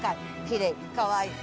きれい、かわいい。